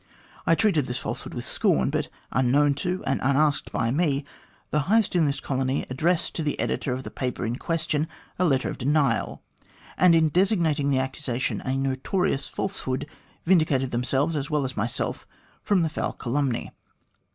I treated this falsehood with scorn ; but unknown to, and unasked by me, the highest in this colony addressed to the editor of the paper in question a letter of denial, and in designating the accusation as a notorious falsehood, vindicated themselves, as well as myself from the foul calumny.